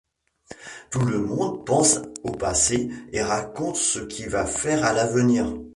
Tout le monde pense au passé et raconte ce qu'il va faire à l'avenir.